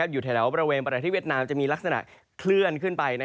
อยู่แถวบริเวณประเทศเวียดนามจะมีลักษณะเคลื่อนขึ้นไป